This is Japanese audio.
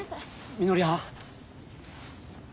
みのりはん。